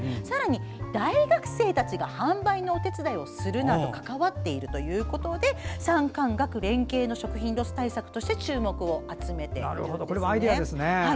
さらに大学生たちが販売のお手伝いをするなど関わっているということで産官学連携の食品ロス対策として注目を集めているんですね。